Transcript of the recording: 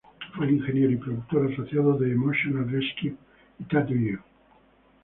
Fue el ingeniero y productor asociado de "Emotional Rescue" y "Tattoo You".